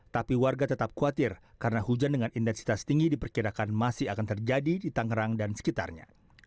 tapi warga tetap khawatir karena hujan dengan intensitas tinggi diperkirakan masih akan terjadi di tangerang dan sekitarnya